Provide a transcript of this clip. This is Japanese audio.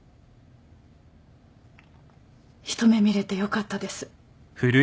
一目見れてよかったです。